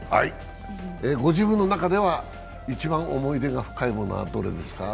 ご自分の中では一番思い出が深いのはどれですか。